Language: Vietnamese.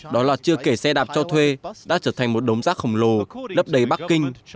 đó là chưa kể xe đạp cho thuê đã trở thành một đống rác khổng lồ lấp đầy bắc kinh